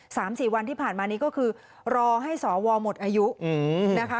สามสี่วันที่ผ่านมานี้ก็คือรอให้สวหมดอายุอืมนะคะ